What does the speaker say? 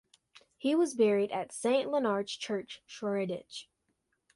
He was buried at Saint Leonard's Church, Shoreditch.